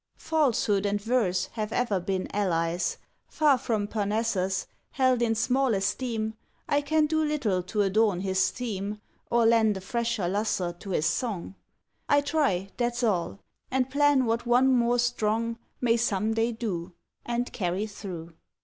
Falsehood and verse have ever been allies; Far from Parnassus, held in small esteem, I can do little to adorn his theme, Or lend a fresher lustre to his song. I try, that's all and plan what one more strong May some day do And carry through.